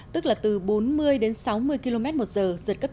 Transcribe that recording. tức là từ bốn mươi đến sáu mươi km một giờ dật cấp chín